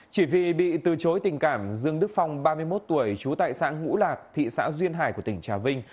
chỉ vì bị từ chối tình cảm dương đức phong ba mươi một tuổi trú tại xã ngũ lạc thị xã duyên hải của tỉnh trà vinh